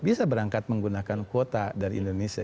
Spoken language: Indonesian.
bisa berangkat menggunakan kuota dari indonesia